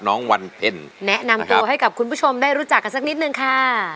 น้องวันเพ็ญแนะนำตัวให้กับคุณผู้ชมได้รู้จักกันสักนิดนึงค่ะ